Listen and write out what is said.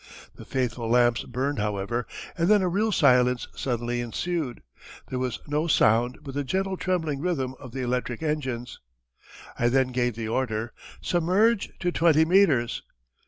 The faithful lamps burned, however, and then a real silence suddenly ensued. There was no sound but the gentle trembling rhythm of the electric engines. I then gave the order: "Submerge to twenty meters!"